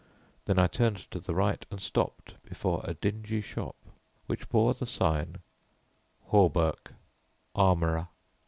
Then I turned to the right and stopped before a dingy shop which bore the sign: HAWBERK, ARMOURER.